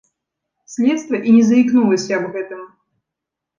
Следства і не заікнулася аб гэтым.